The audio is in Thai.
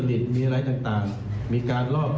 ผู้บังคับการตำรวจบูธรจังหวัดเพชรบูนบอกว่าจากการสอบสวนนะครับ